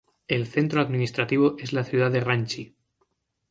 El centro administrativo es la ciudad de Ranchi.